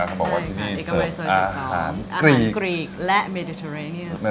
เขาบอกว่าที่นี่เสิร์ฟอาหารกรีกอาหารกรีกและเมดิเตอร์เรนียน